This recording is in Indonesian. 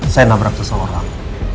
saya nabrak seseorang